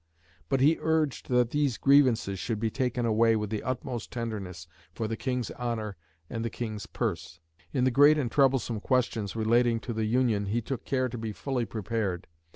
But he urged that these grievances should be taken away with the utmost tenderness for the King's honour and the King's purse. In the great and troublesome questions relating to the Union he took care to be fully prepared.